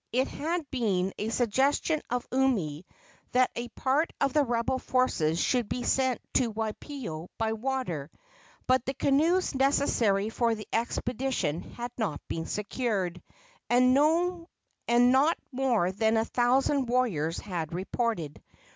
It had been a suggestion of Umi that a part of the rebel forces should be sent to Waipio by water; but the canoes necessary for the expedition had not been secured, and not more than a thousand warriors had reported.